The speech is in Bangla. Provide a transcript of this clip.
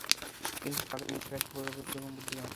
কিন্তু তাদের নেতারা খুবই অভিজ্ঞ এবং বুদ্ধিমান।